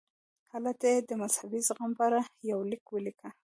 هلته یې د مذهبي زغم په اړه یو لیک ولیکه.